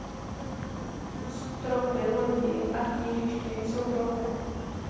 Stropy lodi a kněžiště jsou ploché.